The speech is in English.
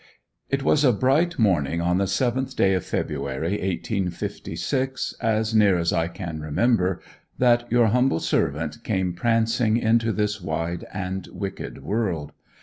It was a bright morning, on the 7th day of February 1856, as near as I can remember, that your humble Servant came prancing into this wide and wicked world.